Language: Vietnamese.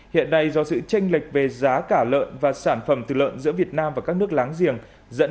hiện nay do sự tranh lệch về giá cả lợn và sản phẩm từ lợn giữa việt nam và các nước láng giềng